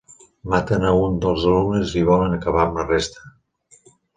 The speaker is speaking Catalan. Maten a un dels alumnes i volen acabar amb la resta.